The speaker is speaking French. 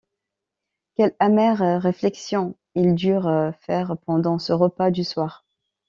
Quelles amères réflexions ils durent faire pendant ce repas du soir!